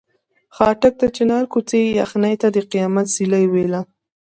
خاټک د چنار کوڅې یخنۍ ته د قیامت سیلۍ ویله.